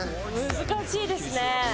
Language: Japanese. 難しいですね。